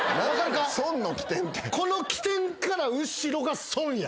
この起点から後ろが損や。